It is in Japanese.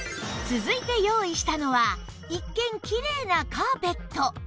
続いて用意したのは一見きれいなカーペット